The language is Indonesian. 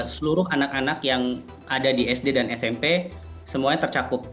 seluruh anak anak yang ada di sd dan smp semuanya tercakup